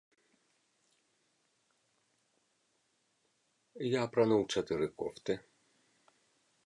Я апрануў чатыры кофты!